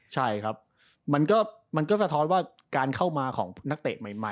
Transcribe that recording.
ใช่ครับมันก็สะท้อนว่าการเข้ามาของนักเตะใหม่